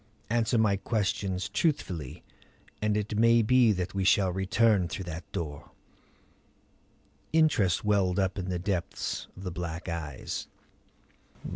Answer my questions truthfully and it may be that we shall return through that door." Interest welled up in the depths of the black eyes.